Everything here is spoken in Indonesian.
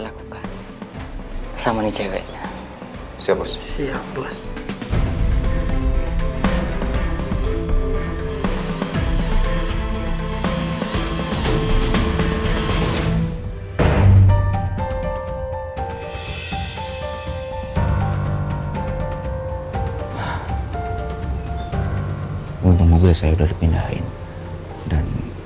lo mau tau siapa dia